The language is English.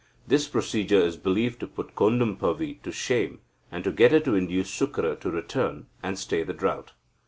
This procedure is believed to put Kodumpavi to shame, and to get her to induce Sukra to return, and stay the drought.